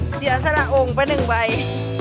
เสียสระองค์ไปหนึ่งใบ